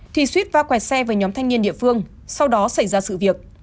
thì suýt va quẹt xe với nhóm thanh niên địa phương sau đó xảy ra sự việc